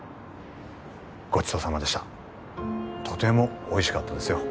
ごちそうさまでしたとてもおいしかったですよ